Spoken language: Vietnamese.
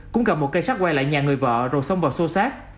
cũng cầm một cây xác quay lại nhà người vợ rồi xông vào xô xác